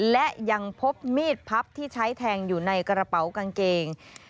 และยังพบมีดพับที่ใช้แทงอยู่ในกระเป๋ากางเกง